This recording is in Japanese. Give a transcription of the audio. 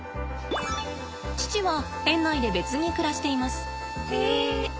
父は園内で別に暮らしています。